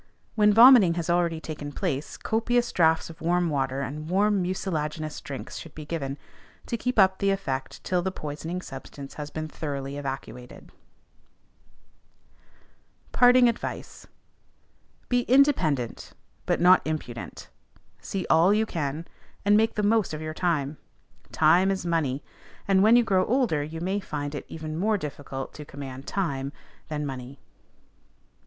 When vomiting has already taken place, copious draughts of warm water or warm mucilaginous drinks should be given, to keep up the effect till the poisoning substance has been thoroughly evacuated. PARTING ADVICE. Be independent, but not impudent. See all you can, and make the most of your time; "time is money;" and, when you grow older, you may find it even more difficult to command time than money.